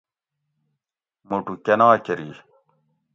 موٹو کۤنا کرۤی؟